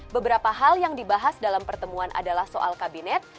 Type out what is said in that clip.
beberapa hal yang dibahas dalam pertemuan adalah soal kabinet